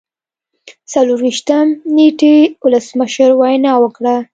څلور ویشتم نیټې ولسمشر وینا وکړه.